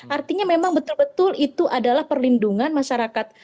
artinya memang betul betul itu adalah perlindungan masyarakat